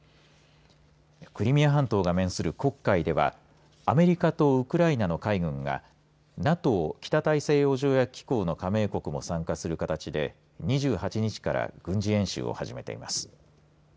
クリミア半島が面する黒海ではアメリカとウクライナの海軍がＮＡＴＯ、北大西洋条約機構の加盟国も参加する形で２８日から軍事演習を始めています。